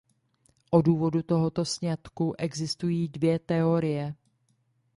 O důvodu tohoto sňatku existují dvě teorie.